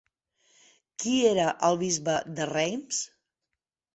Qui era el bisbe de Reims?